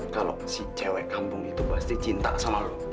kalau si cewek kampung itu pasti cinta sama lo